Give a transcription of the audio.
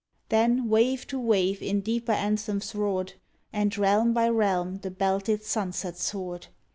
Then, wave to wave in deeper anthems roared. And realm by realm the belted sunset soared.